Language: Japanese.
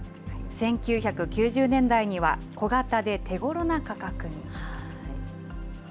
１９９０年代には小型で手ごろな価格に。